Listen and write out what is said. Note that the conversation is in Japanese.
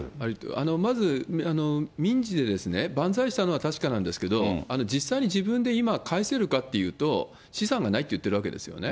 まず、民事でばんざいしたのは確かなんですけど、実際に自分で今、返せるかっていうと、資産がないって言ってるわけですよね。